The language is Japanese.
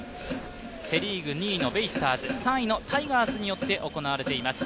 セ・リーグ２位のベイスターズ、３位のタイガースによって行われています。